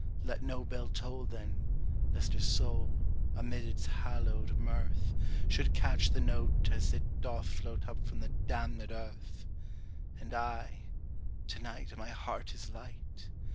Let no bell toll, then, lest her soul, amid its hallowed mirth, Should catch the note as it doth float up from the damnèd Earth! And I! to night my heart is light!